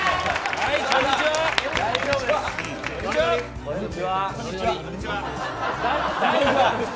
はい、こんにちは！